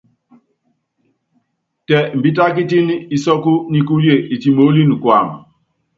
Tɛ imbítákítíní isɔ́kú nikúle itimoolíni kuam.